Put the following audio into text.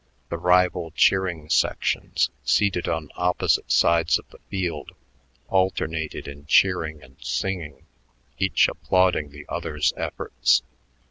The rival cheering sections, seated on opposite sides of the field, alternated in cheering and singing, each applauding the other's efforts.